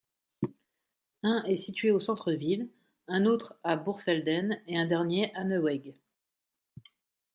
Un est situé au centre-ville, un autre à Bourgfelden et un dernier à Neuweg.